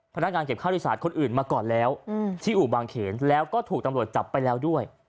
พนักงานเก็บข้าวโดยสารคนอื่นมาก่อนแล้วที่อู่บางเขนแล้วก็ถูกตำรวจจับไปแล้วด้วย